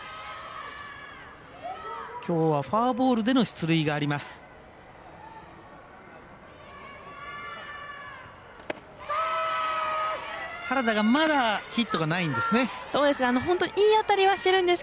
きょうはフォアボールでの出塁があります。